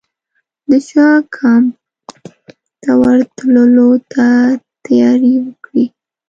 د شاه کمپ ته ورتللو ته تیاري وکړي.